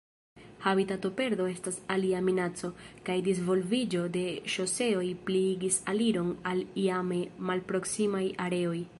Habitatoperdo estas alia minaco, kaj disvolviĝo de ŝoseoj pliigis aliron al iame malproksimaj areoj.